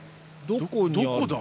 どこ？